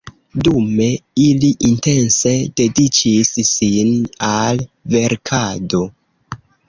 Dume ili intense dediĉis sin al verkado.